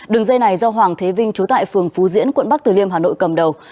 đường dây này do hoàng thế vinh trú tại phường phú diễn quận bắc từ liêm hà nội cầm đầu